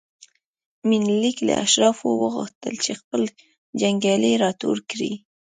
منیلیک له اشرافو وغوښتل چې خپل جنګیالي راټول کړي.